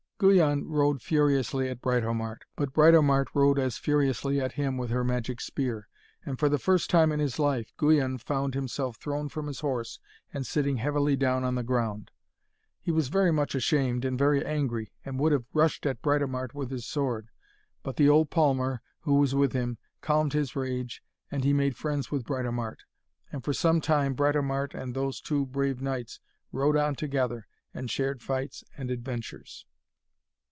Guyon rode furiously at Britomart, but Britomart rode as furiously at him with her magic spear. And, for the first time in his life, Guyon found himself thrown from his horse and sitting heavily down on the ground. He was very much ashamed and very angry, and would have rushed at Britomart with his sword. But the old palmer, who was with him, calmed his rage, and he made friends with Britomart. And for some time Britomart and those two brave knights rode on together, and shared fights and adventures.